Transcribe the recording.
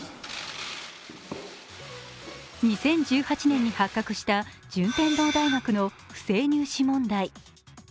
２０１８年に発覚した順天堂大学の不正入試問題。